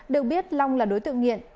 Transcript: được biết long là đối tượng nghiện